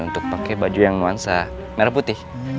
untuk pakai baju yang nuansa merah putih